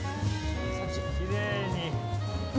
きれいに。